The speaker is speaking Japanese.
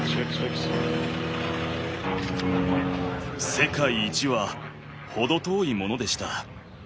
世界一は程遠いものでした。